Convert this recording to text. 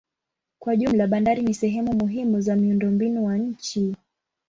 Kwa jumla bandari ni sehemu muhimu za miundombinu wa nchi.